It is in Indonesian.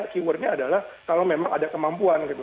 keywordnya adalah kalau memang ada kemampuan gitu